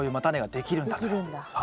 できるんだ。